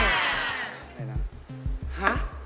อะไรนะ